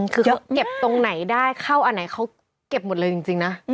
คือเขาเก็บตรงไหนได้เข้าอันไหนเขาเก็บหมดเลยจริงนะ